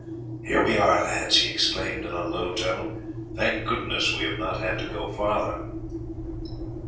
"Here we are, lads," he exclaimed in a low tone; "thank goodness we have not had to go farther."